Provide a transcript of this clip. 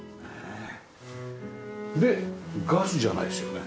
でガスじゃないですよね？